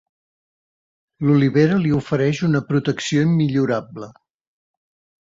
L'olivera li ofereix una protecció immillorable.